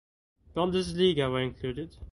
Bundesliga were included.